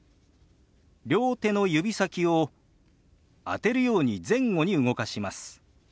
両手の指先を当てるように前後に動かします。